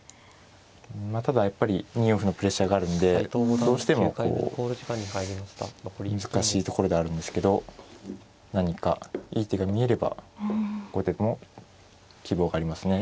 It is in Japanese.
ただやっぱり２四歩のプレッシャーがあるんでどうしてもこう難しいところではあるんですけど何かいい手が見えれば後手も希望がありますね。